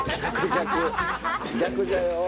逆じゃよ。